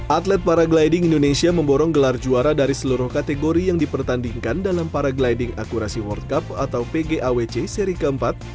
atlet paragliding indonesia memborong gelar juara dari seluruh kategori yang dipertandingkan dalam paragliding akurasi world cup atau pgawc seri keempat